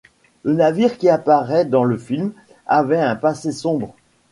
Le navire qui apparait dans le film, avait un passé sombre.